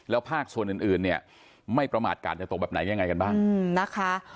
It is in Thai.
แล้วภาคส่วนอื่นไม่ประมาทกาลจะตกแบบไหนยังไงกันบ้าง